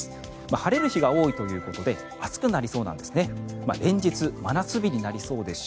晴れる日が多いということで暑くなりそうなんですね。